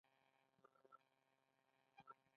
کروندګر د حاصل د ویش په اړه فکر کوي